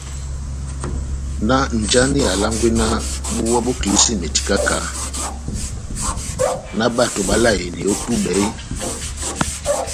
náh njáni alángwí náh búwá bó kilísímeti káha-káha, náh bato báláyeni ó túbɛ?